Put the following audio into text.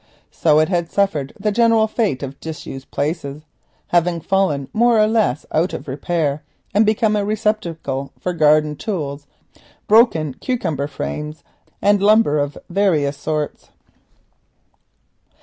So it had suffered the general fate of disused places, having fallen more or less out of repair and become a receptacle for garden tools, broken cucumber frames and lumber of various sorts.